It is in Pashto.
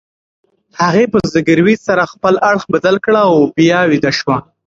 هغې په زګیروي سره خپل اړخ بدل کړ او بیا ویده شوه.